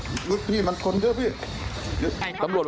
คือเหตุการณ์ทั้งหมดนี่เป็นไปตามที่สื่อเสนอไหมคะคุณปอล์